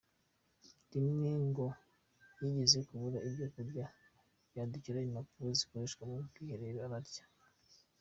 Rimwe ngo yigeze kubura ibyo kurya yadukira impapuro zikoreshwa mu bwiherero ararya.